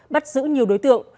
bắt giữ nhiều đối tượng